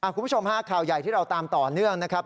คุณผู้ชมฮะข่าวใหญ่ที่เราตามต่อเนื่องนะครับ